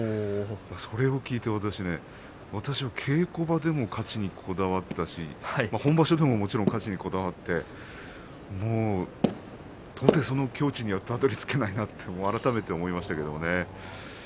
それを聞いて、私私は稽古場でも勝ちにこだわったし本場所でももちろん勝ちにこだわって到底その境地にはたどりつけないなと改めて思いましたけどね。